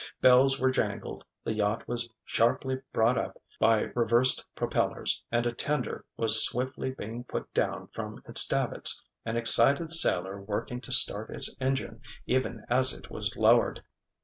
Bells were jangled, the yacht was sharply brought up by reversed propellers and a tender was swiftly being put down from its davits, an excited sailor working to start its engine, even as it was lowered.